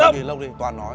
đi về bạn ơi